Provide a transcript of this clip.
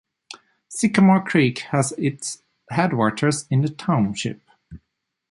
Sycamore Creek has its headwaters in the township.